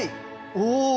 お！